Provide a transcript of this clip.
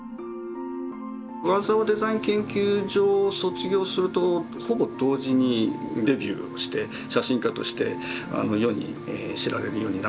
桑沢デザイン研究所を卒業するとほぼ同時にデビューをして写真家として世に知られるようになっていった。